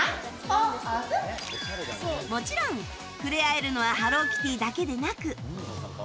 もちろん、触れ合えるのはハローキティだけでなく。